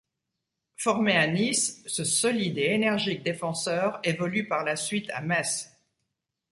Formé à Nice, ce solide et énergique défenseur évolue par la suite à Metz.